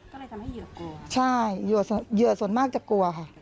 ก็เลยทำให้เหยื่อออกใช่เหยื่อส่วนมากจะกลัวค่ะ